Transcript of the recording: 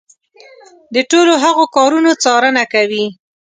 د ټولو هغو کارونو څارنه کوي.